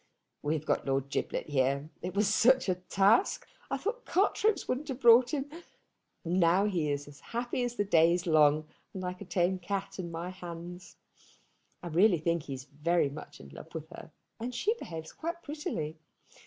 "We have got Lord Giblet here. It was such a task! I thought cart ropes wouldn't have brought him? Now he is as happy as the day is long, and like a tame cat in my hands. I really think he is very much in love with her, and she behaves quite prettily.